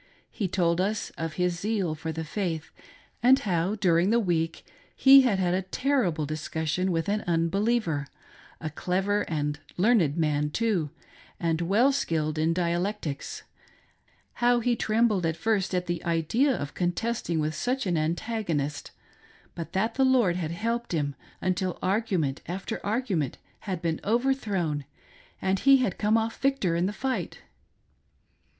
He told us of his zeal for the faith, and how, during the week, he had had a terrible discussion with an unbeliever — a clever and learned man, too, and well ski lied in dialectics — how he trembled at first at the idea of contesting with such an antagonist, but that the Lord had helped him, until argument after argument had been overthrown and he had come off victor in the fight.